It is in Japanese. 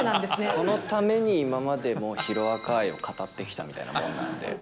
そのために今まで、ヒロアカ愛を語ってきたようなものなので。